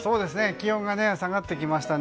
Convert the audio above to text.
気温が下がってきましたね。